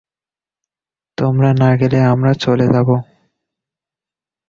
তোমরা না গেলে, আমরা চলে যাব।